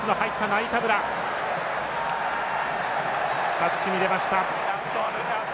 タッチに出ました。